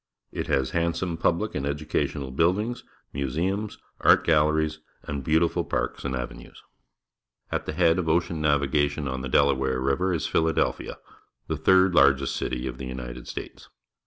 It has handsome public and educational buildings, museums, art galleries, and beautiful parks and avenues. At the head of ocean navigation on the Delaware River is Philadelphia, the third city of the United States.